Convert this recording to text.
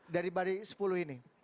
dari baris sepuluh ini